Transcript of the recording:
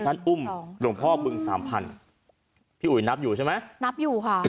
ท่านอุ้มหลวงพ่อบึงสามพันพี่อุ๋ยนับอยู่ใช่ไหมนับอยู่ค่ะ